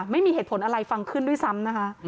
ไม่มีเหตุผลอะไรฟังขึ้นด้วยซ้ำนะคะ